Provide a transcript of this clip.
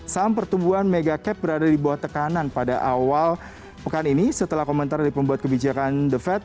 saham pertumbuhan mega cap berada di bawah tekanan pada awal pekan ini setelah komentar dari pembuat kebijakan the fed